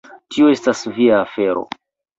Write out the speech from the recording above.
Tio estas via afero!